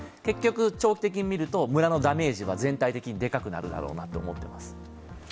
結局、長期的に見ると村のダメージは全体的に大きくなるんだと思います。